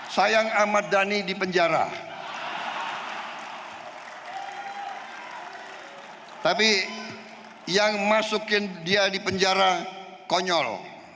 sayang ahmad dhani di penjara tapi yang masukin dia di penjara konyol